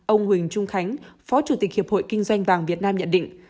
ông huỳnh trung khánh phó chủ tịch hiệp hội kinh doanh vàng việt nam nhận định